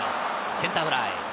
センターフライです。